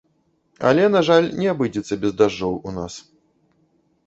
Але, на жаль, не абыдзецца без дажджоў у нас.